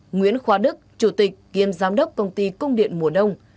nguyễn khoa đức chủ tịch kiêm giám đốc công ty cung điện mùa đông